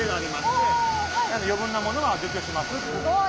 すごい。